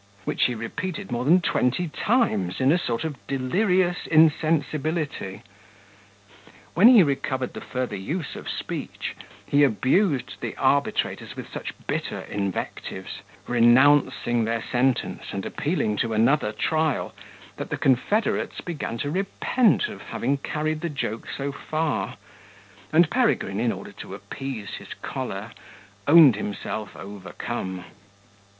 which he repeated more than twenty times, in a sort of delirious insensibility. When he recovered the further use of speech, he abused the arbitrators with such bitter invectives, renouncing their sentence, and appealing to another trial, that the confederates began to repent of having carried the joke so far; and Peregrine, in order to appease his choler, owned himself overcome.